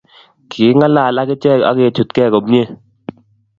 Kiking'alal akichek akechutkei komie